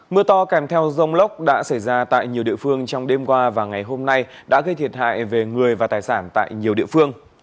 mưa to kèm theo rông lốc đã xảy ra tại nhiều địa phương trong đêm qua và ngày hôm nay đã gây thiệt hại về người và tài sản tại nhiều địa phương